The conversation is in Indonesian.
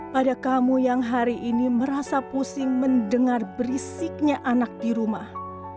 pada kamu yang hari ini merasa pusing mendengar berisiknya anak di rumah